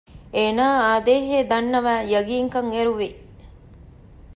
އޭނާ އާދޭހޭ ދަންނަވައި ޔަގީންކަން އެރުވި